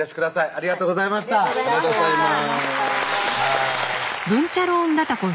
ありがとうございましたありがとうございます